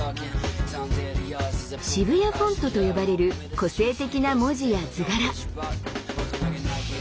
「シブヤフォント」と呼ばれる個性的な文字や図柄。